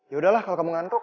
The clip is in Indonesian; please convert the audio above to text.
yaudahlah kalau kamu ngantuk